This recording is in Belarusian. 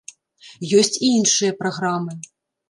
Ёсць і іншыя праграмы.